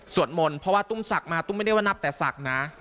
สวดมนต์เพราะว่าตุ้มสักมาตุ้มไม่ได้ว่านับแต่สักนะ